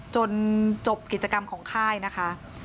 จนจบกิจกรรมของค่ายนะคะ